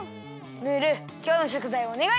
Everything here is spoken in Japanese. ムールきょうのしょくざいをおねがい！